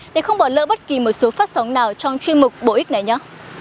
để không bỏ lỡ bất kỳ một số phát sóng nào trong chuyên mục bổ ích này nhé